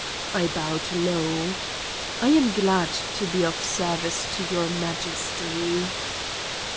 I bowed low: "I am glad to be of service to Your Majesty."